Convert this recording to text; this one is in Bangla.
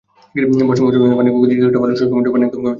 বর্ষা মৌসুমে পানির গতি কিছুটা বাড়লেও শুষ্ক মৌসুমে পানি একদম কমে যায়।